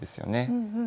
うんうん。